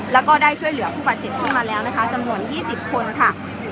แล้วก็ได้ช่วยเหลือ๗คนมาแล้วนะคะจำนวน๒๐คนค่ะ